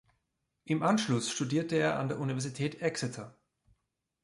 Im Anschluss studierte er an der Universität Exeter.